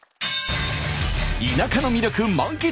田舎の魅力満喫。